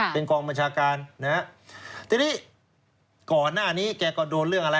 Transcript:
เป็นกองบัญชาการนะฮะทีนี้ก่อนหน้านี้แกก็โดนเรื่องอะไร